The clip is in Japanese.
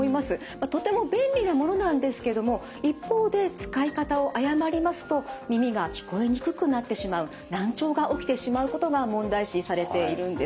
まあとても便利なものなんですけども一方で使い方を誤りますと耳が聞こえにくくなってしまう難聴が起きてしまうことが問題視されているんです。